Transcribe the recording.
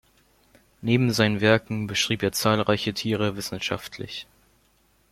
Neben seinen Werken beschrieb er zahlreiche Tiere wissenschaftlich.